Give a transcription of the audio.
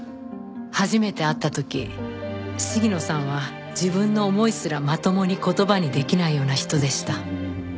初めて会った時鴫野さんは自分の思いすらまともに言葉にできないような人でした。